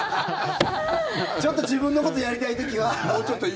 ちょっと自分のことやりたい時は。